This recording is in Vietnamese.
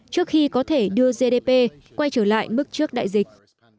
trước khi có thể đưa gdp quay trở lại mức trước đại dịch